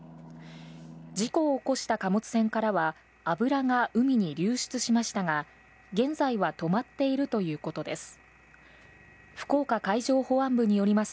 事故を起こした貨物船からは油が海に流出しましたが、現在は止まっているということです。